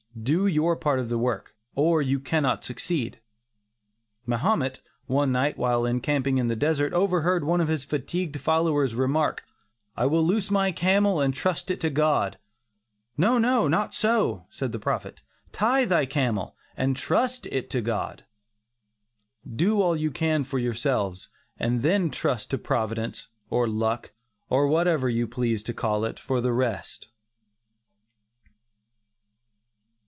Do your part of the work, or you cannot succeed. Mahomet, one night, while encamping in the desert, overheard one of his fatigued followers remark: "I will loose my camel, and trust it to God." "No, no, not so," said the prophet, "tie thy camel, and trust it to God!" Do all you can for yourselves, and then trust to Providence, or luck, or whatever you please to call it, for the rest.